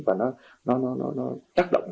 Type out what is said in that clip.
và nó tác động